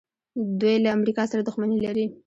دوی له امریکا سره دښمني لري.